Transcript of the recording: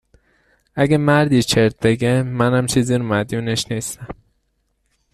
اگر مردی چرت بگه، منم چیزی رو مدیونش نیستم